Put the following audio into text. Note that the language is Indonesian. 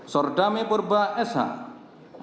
sordame purba shmh